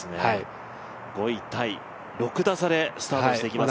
５位タイ、６打差でスタートしていきますね。